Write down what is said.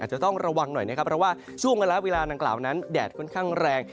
จะต้องระวังหน่อยนะครับเพราะว่าช่วงเวลาดังกล่าวนั้นแดดค่อนข้างแรง